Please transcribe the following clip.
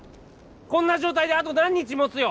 こんな状態であと何日もつよ？